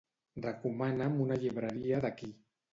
Recomana'm una llibreria d'aquí.